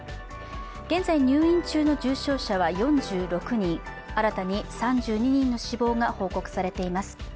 現在、入院中の重症者は４６人新たに３２人の死亡が報告されています。